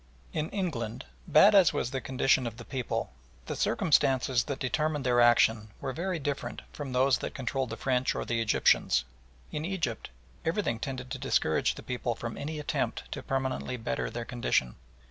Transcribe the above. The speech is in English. In England, bad as was the condition of the people, the circumstances that determined their action were very different from those that controlled the French or the Egyptians. In Egypt everything tended to discourage the people from any attempt to permanently better their condition.